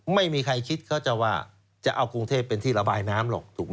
ไม่มีใครคิดเขาจะว่าจะเอากรุงเทพเป็นที่ระบายน้ำหรอกถูกไหม